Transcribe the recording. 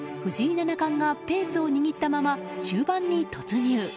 七冠がペースを握ったまま終盤に突入。